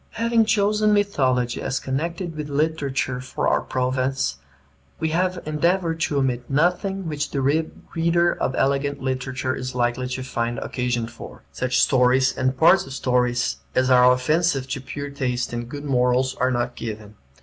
Having chosen mythology as connected with literature for our province, we have endeavored to omit nothing which the reader of elegant literature is likely to find occasion for. Such stories and parts of stories as are offensive to pure taste and good morals are not given.